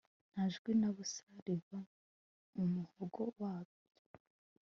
nta jwi na busa riva mu muhogo wabyo